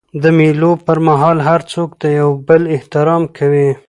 د مېلو پر مهال هر څوک د یو بل احترام کوي.